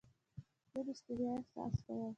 زه د ستړیا احساس کوم.